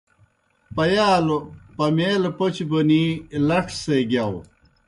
پیَالوْ پمیلہ پوْچہ بونِی لڇ سے گِیاؤ۔